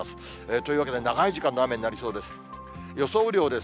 というわけで長い時間の雨になりそうです。